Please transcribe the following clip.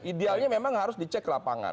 idealnya memang harus dicek lapangan